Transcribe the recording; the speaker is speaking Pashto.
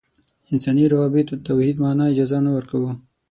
انساني روابطو توحید معنا اجازه نه ورکوو.